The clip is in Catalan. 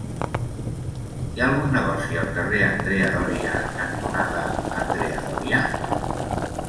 Hi ha algun negoci al carrer Andrea Doria cantonada Andrea Doria?